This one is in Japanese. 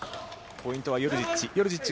ポイントはヨルジッチ。